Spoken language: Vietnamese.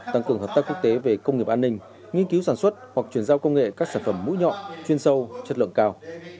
tăng cường hợp tác quốc tế về công nghiệp an ninh nghiên cứu sản xuất hoặc chuyển giao công nghệ các sản phẩm mũi nhọn chuyên sâu chất lượng cao